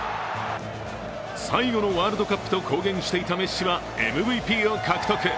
最後のワールドカップと公言していたメッシはＭＶＰを獲得。